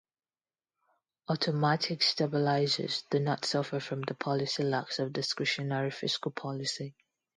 Automatic stabilizers do not suffer from the policy lags of discretionary fiscal policy.